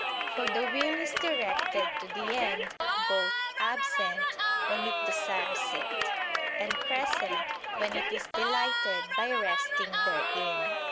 For the will is directed to the end, both absent, when it desires it; and present, when it is delighted by resting therein.